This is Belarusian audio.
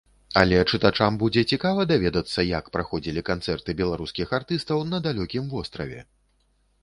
Але чытачам будзе цікава даведацца, як праходзілі канцэрты беларускіх артыстаў на далёкім востраве?